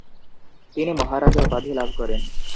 তিনি "মহারাজা" উপাধি লাভ করেন।